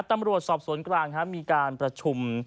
ตำรวจสอบสวนกลางมีการประชุม